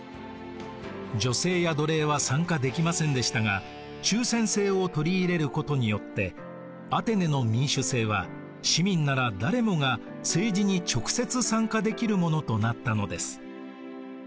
女性や奴隷は参加できませんでしたが抽選制を取り入れることによってアテネの民主政は市民なら誰もが政治に直接参加できるものとなったのです。